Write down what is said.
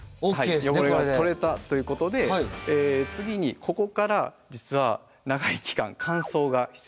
汚れが取れたということで次にここから実は長い期間乾燥が必要になってきます。